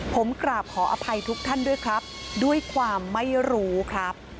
ผมกราบขออภัยทุกท่านด้วยครับด้วยความไม่รู้ครับ